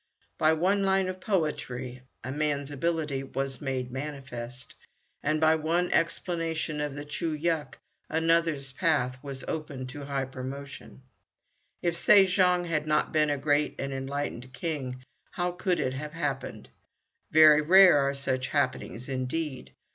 By one line of poetry a man's ability was made manifest, and by one explanation of the Choo yuk another's path was opened to high promotion. If Se jong had not been a great and enlightened king, how could it have happened? Very rare are such happenings, indeed!